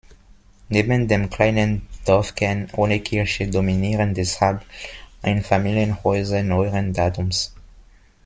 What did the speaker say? Neben dem kleinen Dorfkern ohne Kirche dominieren deshalb Einfamilienhäuser neueren Datums.